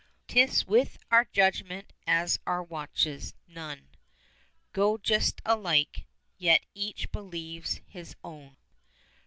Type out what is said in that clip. "'Tis with our judgment as our watches, none Go just alike, yet each believes his own."